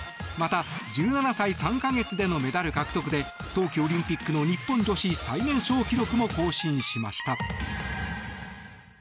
また１７歳３か月でのメダル獲得で冬季オリンピックの日本女子最年少記録も更新しました。